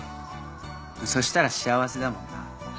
そしたら幸せだもんな。